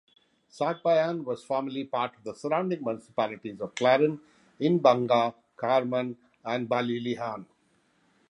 Sagbayan was formerly part of the surrounding municipalities of Clarin, Inabanga, Carmen, and Balilihan.